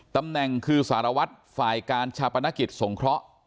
ตำแหน่งคือสารวัตรฝ่ายการชาปนกิจสงเคราะห์